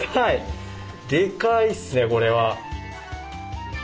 デカいっすねこれは。